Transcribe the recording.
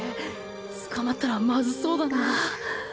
捕まったらまずそうだな。